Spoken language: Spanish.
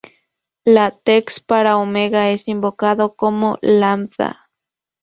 LaTeX para Omega es invocado como "lambda".